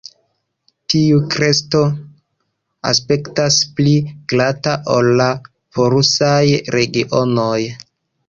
Tiu kresto aspektas pli glata ol la "polusaj" regionoj.